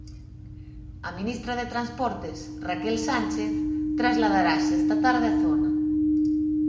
A ministra de Transportes, Raquel Sánchez, trasladarase esta tarde á zona.